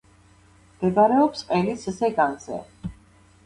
მდებარეობს ყელის ზეგანზე.